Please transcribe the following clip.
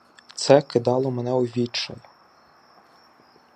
Це кидало мене у відчай.